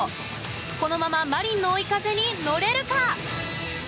このままマリンの追い風に乗れるか！